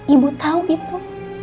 ibu tau itu